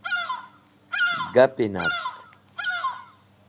Gapi nast.